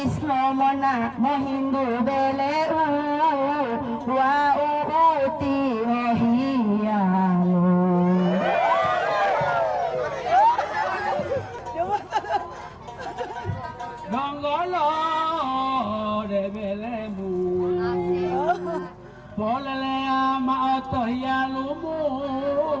saat tampil melakukan pantun dalam bahasa gorontalo ada satu yang tampil